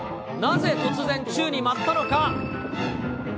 なぜ突然、宙に舞ったのか。